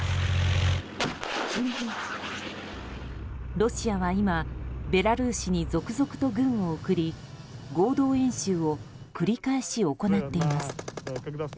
ロシアは今ベラルーシに続々と軍を送り合同演習を繰り返し行っています。